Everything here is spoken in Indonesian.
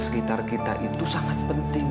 sekitar kita itu sangat penting